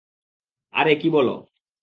আরে কী হলো!